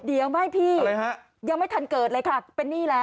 เดี๋ยวไม่พี่ยังไม่ทันเกิดเลยค่ะเป็นหนี้แล้ว